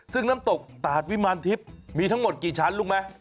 ซึ่งน้ำตกตาดวิมารทิพย์มีทั้งหมดกี่ชั้นรู้ไหม